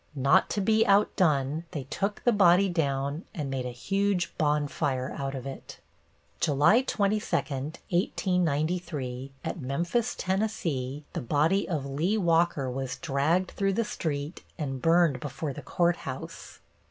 Not to be outdone, they took the body down and made a huge bonfire out of it. July 22, 1893, at Memphis, Tenn., the body of Lee Walker was dragged through the street and burned before the court house.